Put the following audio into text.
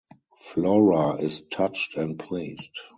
Flora is touched and pleased.